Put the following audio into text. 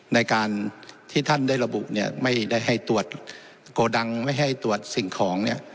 ในการที่ท่านได้ระบุเนี่ยไม่ได้ให้ตรวจโกดังไม่ให้ตรวจสิ่งของเนี่ย